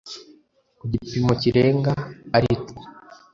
ku gipimo kirenga aritwo